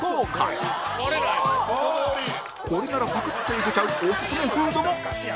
これならパクッといけちゃうオススメフードも